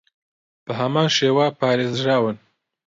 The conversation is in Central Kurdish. بەهەمان شێوە پارێزراون